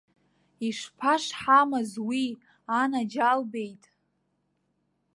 Ишԥашҳамыз уи, анаџьалбеит!